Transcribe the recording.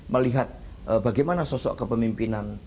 melihat bagaimana sosok kepemimpinan